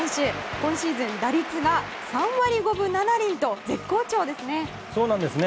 今シーズン打率が３割５分７厘と絶好調ですね。